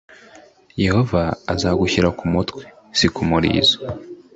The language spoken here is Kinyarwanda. Yehova azagushyira ku mutwe; si ku murizo.